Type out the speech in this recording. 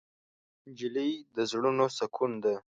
نجلۍ د زړونو سکون ده.